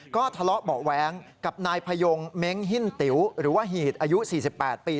ก็ทะเลาะเบาะแว้งกับนายพยงเม้งหิ้นติ๋วหรือว่าหีดอายุ๔๘ปี